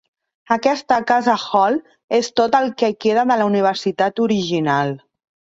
Aquesta "casa-hall" és tot el que queda de la universitat original.